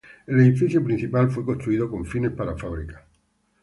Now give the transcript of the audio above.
El edificio principal fue construido con fines para fabrica.